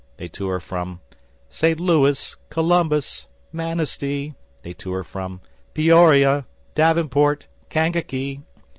They tour from St. Louis, Columbus, Manistee, They tour from Peoria, Davenport, Kankakee.